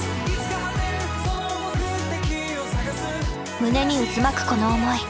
胸に渦巻くこの思い。